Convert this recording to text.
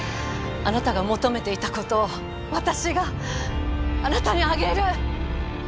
あなたが求めていたことを私があなたにあげる！